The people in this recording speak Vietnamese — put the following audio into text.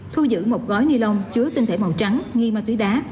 thu giữ một gói ni lông chứa tinh thể màu trắng nghi ma túy đá